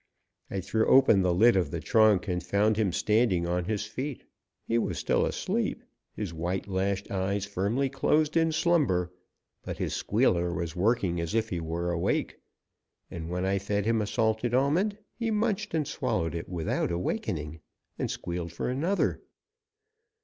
I threw open the lid of the trunk, and found him standing on his feet. He was still asleep, his white lashed eyes firmly closed in slumber, but his squealer was working as if he were awake, and when I fed him a salted almond he munched and swallowed it without awakening, and squealed for another.